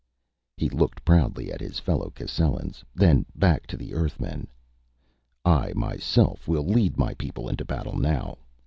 He looked proudly at his fellow Cascellans, then back to the Earthmen. "I myself will lead my people into battle now.